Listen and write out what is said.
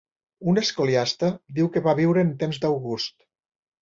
Un escoliasta diu que va viure en temps d'August.